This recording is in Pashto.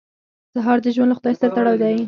سهار د ژوند له خدای سره تړاو دی.